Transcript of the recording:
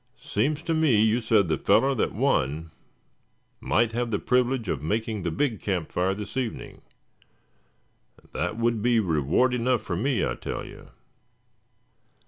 Seems to me you said the feller that won might have the privilege of making the big camp fire this evening; and that would be reward enough for me, I tell you."